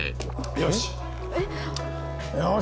よし！